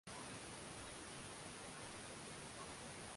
kubwa na hasa ya ulaya marekani katika libya